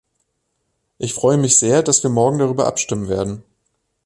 Ich freue mich sehr, dass wir morgen darüber abstimmen werden.